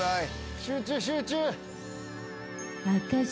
集中集中。